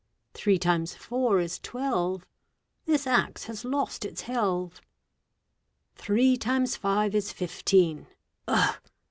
Three times four is twelve, This axe has lost its helve. Three times five is fifteen, Ugh!